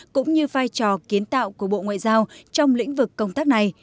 cũng như vai trò kiến tạo của bộ ngoại giao trong lĩnh vực công tác này